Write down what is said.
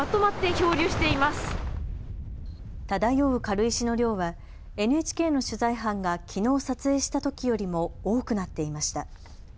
漂う軽石の量はＮＨＫの取材班がきのう撮影したときよりも多くなっていました。